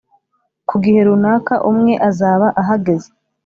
Ku gihe runaka umwe azaba ahageze